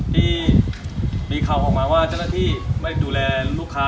ที่มีข่าวออกมาว่าเจ้าหน้าที่ไม่ดูแลลูกค้า